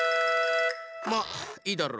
まいいだろ。